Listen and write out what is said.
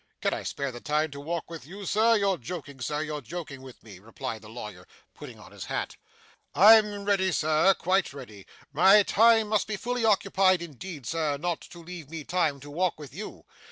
'Can I spare the time to walk with you, sir? You're joking, sir, you're joking with me,' replied the lawyer, putting on his hat. 'I'm ready, sir, quite ready. My time must be fully occupied indeed, sir, not to leave me time to walk with you.